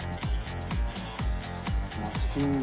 マスキング。